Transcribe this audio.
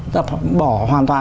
đập bỏ hoàn toàn